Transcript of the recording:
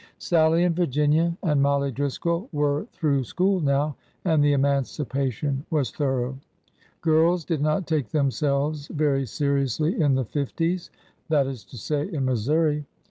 Sallie and Virginia and Mollie Driscoll Vv^ere through school now, and the emancipation was thorough. Girls did not take themselves very seriously in the fifties — that is to say, in Missouri.